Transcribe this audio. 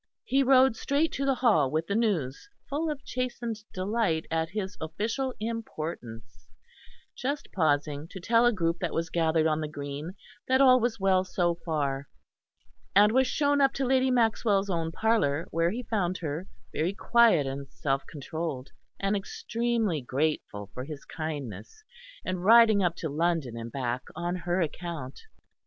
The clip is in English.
He rode straight to the Hall with the news, full of chastened delight at his official importance, just pausing to tell a group that was gathered on the green that all was well so far, and was shown up to Lady Maxwell's own parlour, where he found her, very quiet and self controlled, and extremely grateful for his kindness in riding up to London and back on her account.